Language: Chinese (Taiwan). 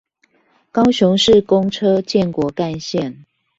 高雄市公車建國幹線